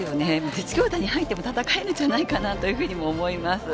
実業団に入っても戦えるんじゃないかと思います。